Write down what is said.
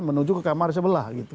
menuju ke kamar sebelah gitu